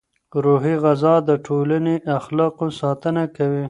روحي غذا د ټولنې اخلاقو ساتنه کوي.